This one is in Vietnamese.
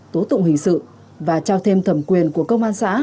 tố tụng hình sự và trao thêm thẩm quyền của công an xã